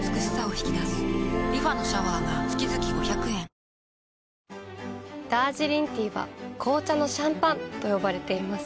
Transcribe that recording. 最高の渇きにＤＲＹダージリンティーは紅茶のシャンパンと呼ばれています。